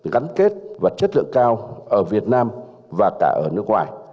gắn kết và chất lượng cao ở việt nam và cả ở nước ngoài